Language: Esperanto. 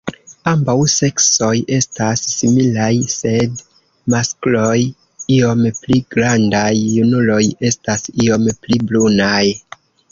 Ambaŭ seksoj estas similaj sed maskloj iom pli grandaj; junuloj estas iom pli brunaj.